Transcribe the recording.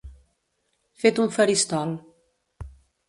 Fet un faristol.